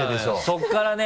そこからね。